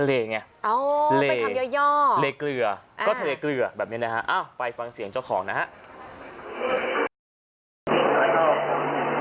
แล้วก็ที่ใช้คือเป็นเลเกลือคาเฟ่นที่เป็นประสาทพื้นฝ้างของคนท่านใหม่ครับ